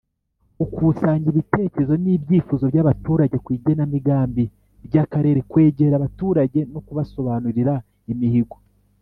gukusanya ibitekerezo n ibyifuzo by abaturage ku igenamigambi ry Akarere kwegera abaturage no kubasobanurira imihigo